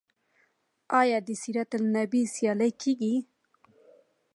آیا د سیرت النبی سیالۍ کیږي؟